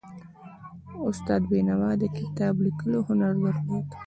استاد بینوا د کتاب لیکلو هنر درلود.